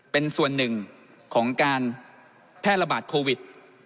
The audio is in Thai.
เป็นส่วนหนึ่งของการแพร่ระบาดโควิด